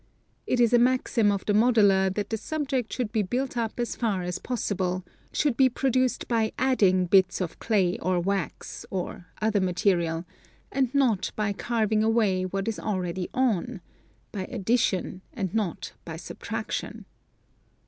It is a maxim of the modeler that the subject should be built up as far as possible, should be produced by adding bits of clay or wax, or other material, and not by carving away what is already on, — by addition and not by subtraction.